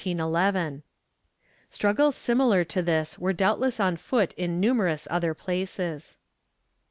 ^ Struggles similar to this were doubtless on foot in numerous other places.